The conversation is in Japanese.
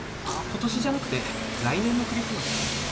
あっ今年じゃなくて来年のクリスマスです。